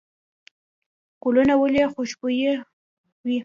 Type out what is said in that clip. ګلونه ولې خوشبویه وي؟